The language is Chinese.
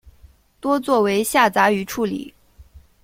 多做为下杂鱼处理。